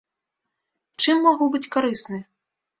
Чым магу быць карысны?